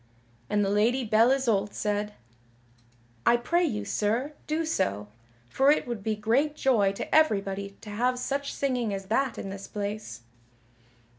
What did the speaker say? And the Lady Belle Isoult said: "I pray you, sir, do so, for it would be great joy to everybody to have such singing as that in this place."